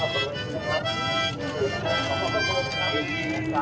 สวัสดีค่ะ